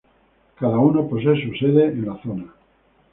Cada una posee sus sedes en la zona.